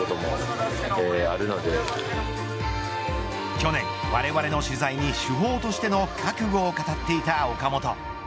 去年われわれの取材に主砲としての覚悟を語っていた岡本。